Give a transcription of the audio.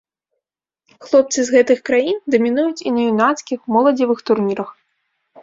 Хлопцы з гэтых краін дамінуюць і на юнацкіх, моладзевых турнірах.